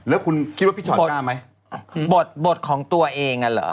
แล้วคุณคิดว่าพี่ชอตกล้าไหมบทของตัวเองอ่ะเหรอ